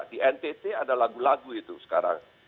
di ntt ada lagu lagu itu sekarang